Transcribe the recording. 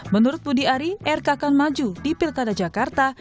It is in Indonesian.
menurut budi ari rk akan maju di pilkada jakarta